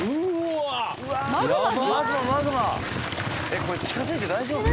えこれ近づいて大丈夫？